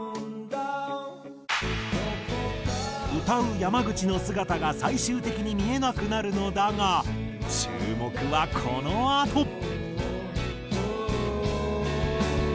歌う山口の姿が最終的に見えなくなるのだが注目はこのあと。